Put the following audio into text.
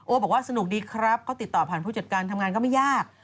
บอกว่าสนุกดีครับเขาติดต่อผ่านผู้จัดการทำงานก็ไม่ยาก